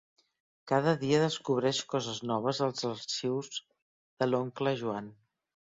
Cada dia descobreix coses noves als arxius de l'oncle Joan.